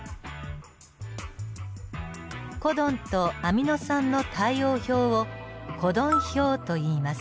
コドンとアミノ酸の対応表をコドン表といいます。